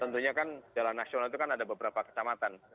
tentunya kan jalan nasional itu kan ada beberapa kecamatan